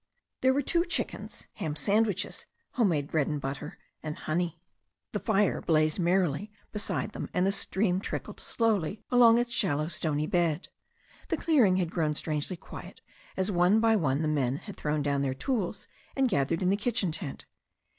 There were two chickens, ham sandwiches, home made bread and butter, and honey. The fire blazed merrily beside them and the stream trickled slowly along its shallow stony bed. The clearing had grown strangely quiet as one by one the men had thrown down their tools and gathered in the kitchen tent.